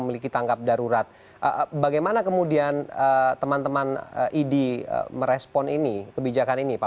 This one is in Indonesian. memiliki tanggap darurat bagaimana kemudian teman teman idi merespon ini kebijakan ini pak